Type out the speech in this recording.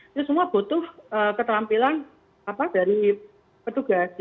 itu semua butuh keterampilan dari petugas